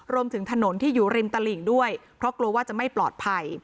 รวมถึงถนนที่อยู่ริมตลิ่งด้วยเพราะกลัวว่าจะไม่ปลอดภัย